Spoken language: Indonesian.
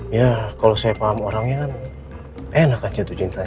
ya kalau saya paham orangnya kan enak aja jatuh cinta